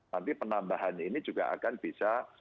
nanti penambahan ini juga akan bisa